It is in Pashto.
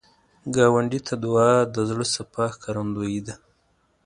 ګاونډي ته دعا، د زړه صفا ښکارندویي ده